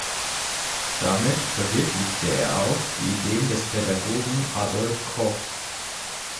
Damit verwirklichte er auch Ideen des Pädagogen Adolf Koch.